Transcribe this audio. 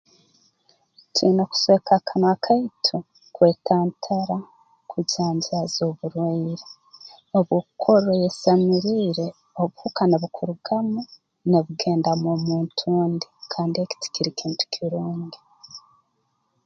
Twina kusweka akanwa kaitu kwetantara kujanjaaza oburwaire obu okukorra oyesamiriire obuhuka nubukurugamu nubugenda mw'omuntu ondi kandi eki tikiri kintu kirungi